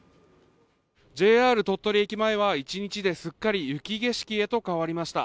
ＪＲ鳥取駅前は１日ですっかり雪景色へと変わりました